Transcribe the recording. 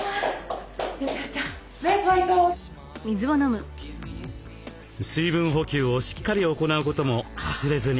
水分補給をしっかり行うことも忘れずに。